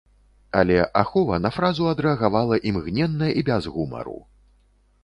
Але ахова на фразу адрэагавала імгненна і без гумару.